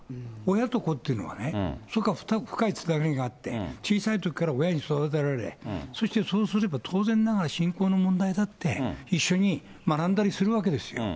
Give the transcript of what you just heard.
親と子というのはね、それから深いつながりがあって、小さいときから親に育てられ、そしてそうすれば、当然ながら信仰の問題だって、一緒に学んだりするわけですよ。